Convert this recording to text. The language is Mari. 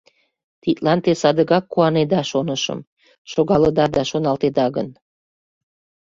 Тидлан те садыгак куанеда, шонышым — шогалыда да шоналтеда гын.